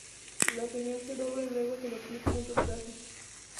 La señal se dobla y luego se le aplica un retraso.